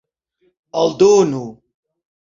aldonu